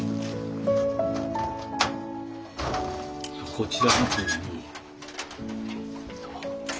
こちらの方に。